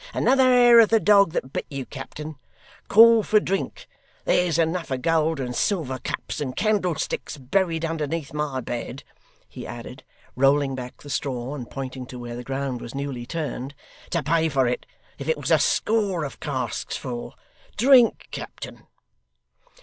Another hair of the dog that bit you, captain! Call for drink! There's enough of gold and silver cups and candlesticks buried underneath my bed,' he added, rolling back the straw, and pointing to where the ground was newly turned, 'to pay for it, if it was a score of casks full. Drink, captain!